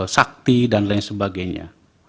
sakti dan lain sebagainya